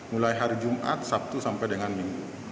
mulai hari jumat sabtu sampai dengan minggu